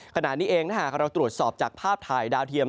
ขณะนี้เองถ้าหากเราตรวจสอบจากภาพถ่ายดาวเทียม